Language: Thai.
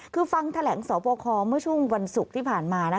คือฟังแถลงสวบคเมื่อช่วงวันศุกร์ที่ผ่านมา